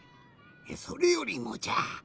それよりもじゃ。